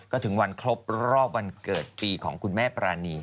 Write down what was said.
ก็ถึงวันครบรอบวันเกิดปีของคุณแม่ปรานี